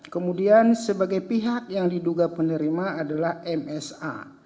kemudian sebagai pihak yang diduga penerima adalah msa